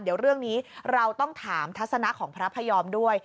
เดี๋ยวเรื่องนี้เราต้องถามทัศนะของพระพยอมด้วย